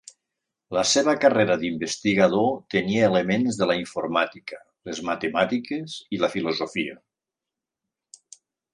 La seva carrera d'investigador tenia elements de la informàtica, les matemàtiques i la filosofia.